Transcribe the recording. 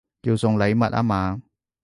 要送禮物吖嘛